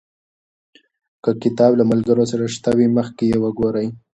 که کتاب له ملګرو سره شته وي، مخکې یې وګورئ.